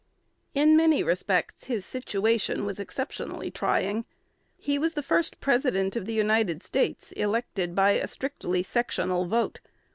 In many respects his situation was exceptionally trying. He was the first President of the United States elected by a strictly sectional vote.